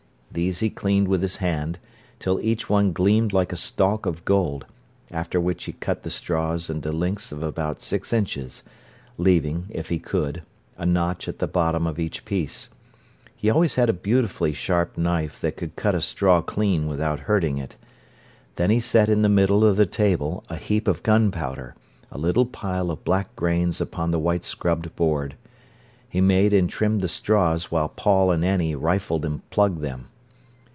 These he cleaned with his hand, till each one gleamed like a stalk of gold, after which he cut the straws into lengths of about six inches, leaving, if he could, a notch at the bottom of each piece. He always had a beautifully sharp knife that could cut a straw clean without hurting it. Then he set in the middle of the table a heap of gunpowder, a little pile of black grains upon the white scrubbed board. He made and trimmed the straws while Paul and Annie rifled and plugged them.